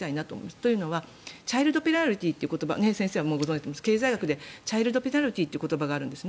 というのはチャイルドペナルティーという言葉先生はご存じだと思いますが経済学でチャイルドペナルティーという言葉があるんですね